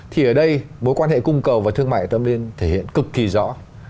thì ở đây mối quan hệ cung cầu và thương mại tâm nên thể hiện cực kỳ rõ